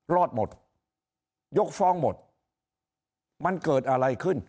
รอดหมดยกฟ้องหมดมันเกิดอะไรขึ้น